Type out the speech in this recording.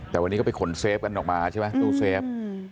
แต่วันนี้ก็ไปขนเซฟกันออกมาใช่ไหมตู้เซฟ